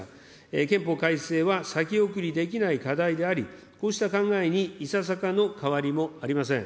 憲法改正は先送りできない課題であり、こうした考えにいささかの変わりもありません。